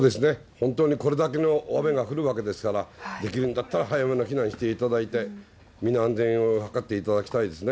本当にこれだけの雨が降るわけですから、できるんだったら、早めの避難していただいて、身の安全を図っていただきたいですね。